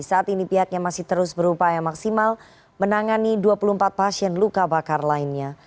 saat ini pihaknya masih terus berupaya maksimal menangani dua puluh empat pasien luka bakar lainnya